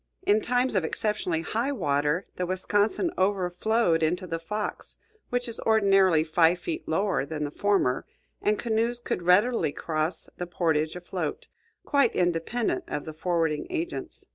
In times of exceptionally high water the Wisconsin overflowed into the Fox, which is ordinarily five feet lower than the former, and canoes could readily cross the portage afloat, quite independent of the forwarding agents.